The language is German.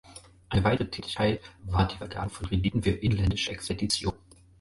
Eine weitere Tätigkeit war die Vergabe von Krediten für inländische Expeditionen.